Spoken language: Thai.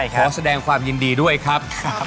ขอแสดงความยินดีด้วยครับ